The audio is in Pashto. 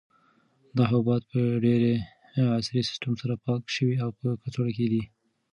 دا حبوبات په ډېر عصري سیسټم سره پاک شوي او په کڅوړو کې دي.